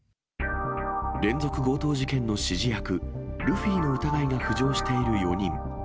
連続強盗事件の指示役、ルフィの疑いが浮上している４人。